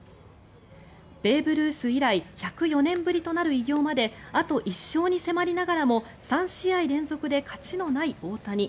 ベーブ・ルース以来１０４年ぶりとなる偉業まであと１勝に迫りながらも３試合連続で勝ちのない大谷。